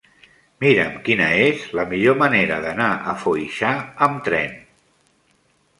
Mira'm quina és la millor manera d'anar a Foixà amb tren.